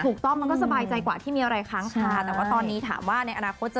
ถูกต้องมันก็สบายใจกว่าที่มีอะไรค้างค้า